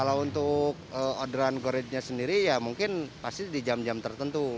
kalau untuk orderan goridge nya sendiri ya mungkin pasti di jam jam tertentu